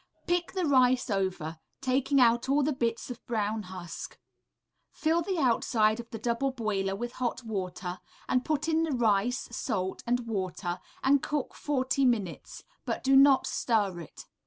Pick the rice over, taking out all the bits of brown husk; fill the outside of the double boiler with hot water, and put in the rice, salt, and water, and cook forty minutes, but do not stir it.